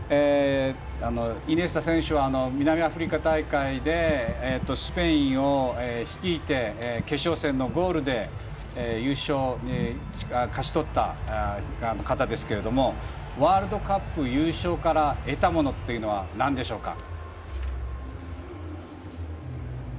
イニエスタ選手は南アフリカ大会でスペインを率いて決勝戦のゴールで優勝を勝ち取った方ですけれどもワールドカップ優勝から得たものというのはなんでしょうか？